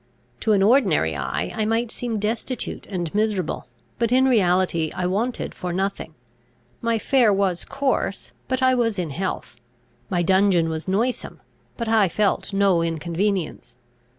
To an ordinary eye I might seem destitute and miserable, but in reality I wanted for nothing. My fare was coarse; but I was in health. My dungeon was noisome; but I felt no inconvenience.